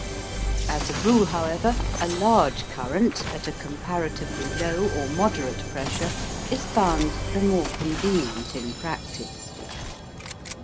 As a rule, however, a large current at a comparatively low or moderate pressure is found the more convenient in practice.